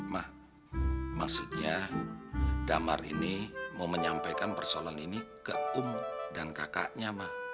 mah maksudnya damar ini mau menyampaikan persoalan ini ke um dan kakaknya mah